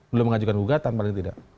belum mengajukan gugatan paling tidak